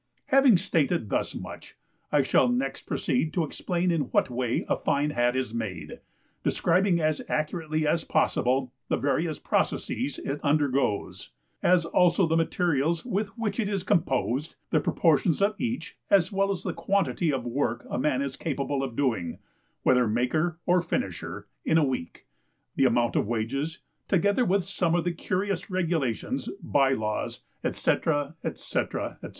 Having stated thus much, I shall next proceed to explain in what way a fine Hat is made, describing as accurately as possible the various processes it undergoes, as also the materials with which it is composed, the proportions of each as well as the quantity of work a man is capable of doing, whether maker or finisher, in a week, the amount of wages, together with some of the curious regulations, by laws, &c. &c. &c.